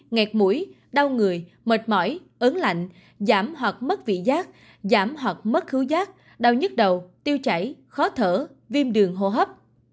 ngạt mũi đau người mệt mỏi ớn lạnh giảm hoặc mất vị giác giảm hoặc mất hữu giác đau nhức đầu tiêu chảy khó thở viêm đường hô hấp